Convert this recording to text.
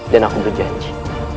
dan aku berjanji